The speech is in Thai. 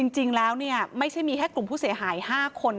จริงแล้วไม่ใช่มีแค่กลุ่มผู้เสียหาย๕คน